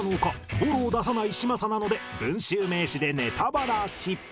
ボロを出さない嶋佐なので「文集」名刺でネタバラシ